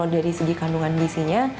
tapi dari segi kandungan misinya